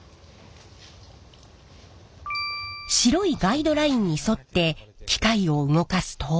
白いガイドラインに沿って機械を動かすと。